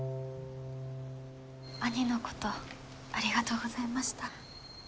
兄のことありがとうございました。